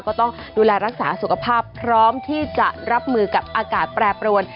ก็ต้องดูแลรักษาสุขภาพพร้อมที่จะรับมือกับอากาศแปรปรวน